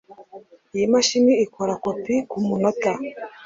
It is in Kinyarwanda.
Iyi mashini ikora kopi kumunota.